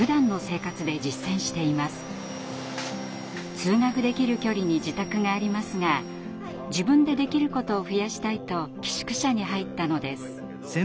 通学できる距離に自宅がありますが自分でできることを増やしたいと寄宿舎に入ったのです。